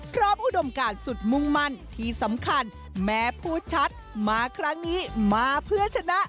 อุดมการสุดมุ่งมั่นที่สำคัญแม้พูดชัดมาครั้งนี้มาเพื่อชนะ